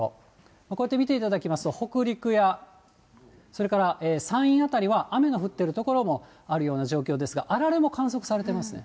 こうやって見ていただきますと、北陸や、それから山陰辺りは雨の降っている所もあるような状況ですが、あられも観測されてますね。